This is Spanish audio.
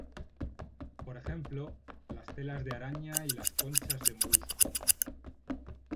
Por ejemplo, las telas de araña y las conchas de molusco.